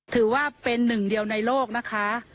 ถือว่าเป็นหนึ่งเดียวในโลกนะคะ